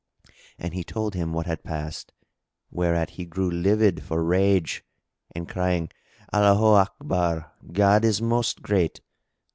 And he told him what had passed, whereat he grew livid for rage and crying "Allaho Akbar God is most great!"